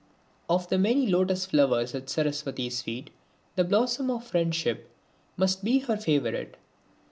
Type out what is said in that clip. Of the many lotus flowers at Saraswati's feet the blossom of friendship must be her favorite.